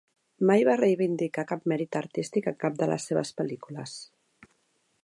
Mai va reivindicar cap mèrit artístic en cap de les seves pel·lícules.